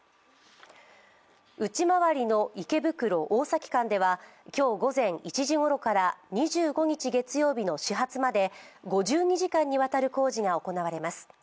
内回りの池袋−大崎間では今日午前１時頃から２５日月曜日の始発まで５２時間にわたる工事が行われます。